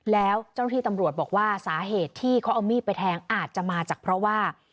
แล้วเจ้าหน้าที่ตำรวจบอกว่าสาเหตุที่เขาเอามีดไปแทงอาจจะมาจากเพราะว่า